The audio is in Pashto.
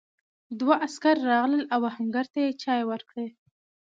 دوه عسکر راغلل او آهنګر ته یې چای ورکړ.